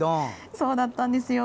そうだったんですよ。